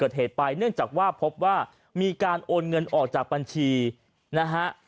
เกิดเหตุไปเนื่องจากว่าพบว่ามีการโอนเงินออกจากบัญชีนะฮะ